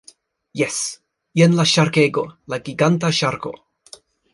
Jes. Jen la ŝarkego. La giganta ŝarko.